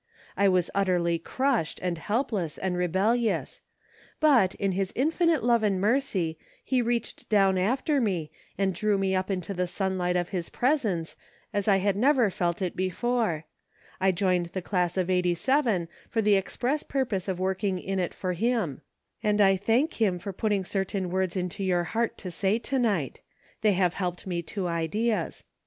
I was utterly crushed, and helpless, and rebellious ; but, in his infinite love and mercy, he reached down after me and drew me up into the sunlight of his presence, as I had never felt it before. I joined the class of '87 for the express purpose of working in it for him ; and I thank him for putting certain words into your heart to say to night ; they have helped me to ideas.